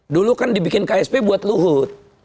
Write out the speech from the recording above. dulu kan dibikin ksp buat luhut